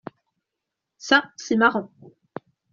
Ça c’est marrant.